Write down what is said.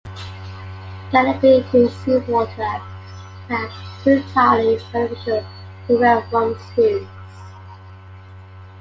Galloping through sea water may have proved highly beneficial to Red Rum's hooves.